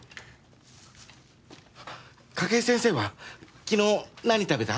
筧先生は昨日何食べた？